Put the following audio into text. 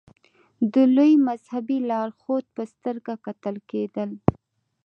د لوی مذهبي لارښود په سترګه کتل کېدل.